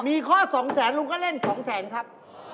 มีข้อ๒๐๐๐๐๐บาทลุงก็เล่น๒๐๐๐๐๐บาทครับ